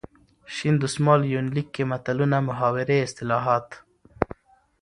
شین دسمال یونلیک کې متلونه ،محاورې، اصطلاحات .